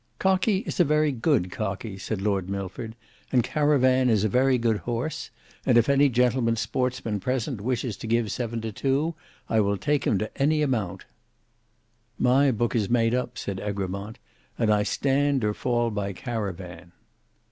"Cockie is a very good Cockie," said Lord Milford, "and Caravan is a very good horse; and if any gentleman sportsman present wishes to give seven to two, I will take him to any amount." "My book is made up," said Egremont; "and I stand or fall by Caravan."